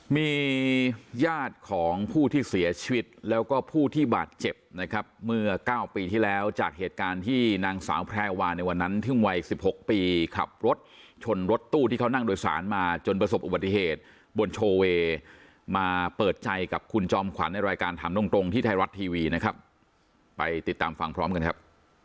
มีญาติของผู้ที่เสียชีวิตแล้วก็ผู้ที่บาดเจ็บนะครับเมื่อ๙ปีที่แล้วจากเหตุการณ์ที่นางสาวแพรวาในวันนั้นถึงวัย๑๖ปีขับรถชนรถตู้ที่เขานั่งโดยสารมาจนประสบอุบัติเหตุบนโชเวย์มาเปิดใจกับคุณจอมขวัญในรายการถามตรงตรงที่ไทยรัฐทีวีนะครับไปติดตามฟังพร้อมกันครับ